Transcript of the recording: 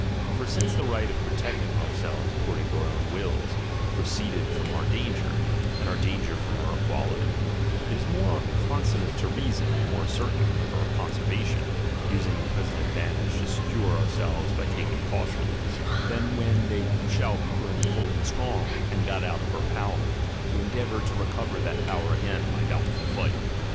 For since the right of protecting ourselves according to our own wills, proceeded from our danger, and our danger from our equality, it is more conso nant to reason, and more certain for our conserva tion, using the present advantage to secure our selves by taking caution, than when they shall be full grown and strong, and got out of our power, to endeavour to recover that power again by doubt ful fight.